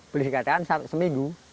boleh dikatakan seminggu